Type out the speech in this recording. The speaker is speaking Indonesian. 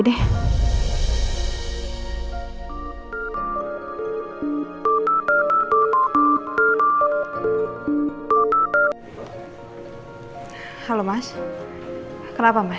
iya implemented nasi ya mas